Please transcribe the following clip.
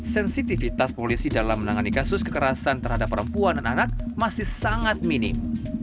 sensitivitas polisi dalam menangani kasus kekerasan terhadap perempuan dan anak masih sangat minim